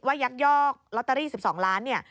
ยักยอกลอตเตอรี่๑๒ล้านเนี่ย